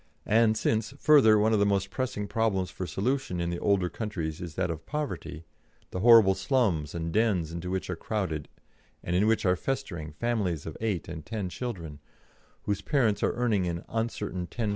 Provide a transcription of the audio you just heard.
And since, further, one of the most pressing problems for solution in the older countries is that of poverty, the horrible slums and dens into which are crowded and in which are festering families of eight and ten children, whose parents are earning an uncertain 10s.